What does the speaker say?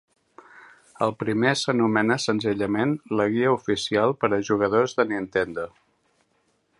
El primer s'anomena senzillament "La guia oficial per a jugadors de Nintendo".